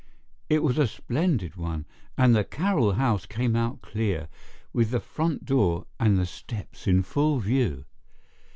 It was a splendid one, and the Carroll house came out clear, with the front door and the steps in full view.